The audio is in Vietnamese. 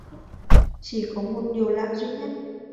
Chỉ có một điều lạ duy nhất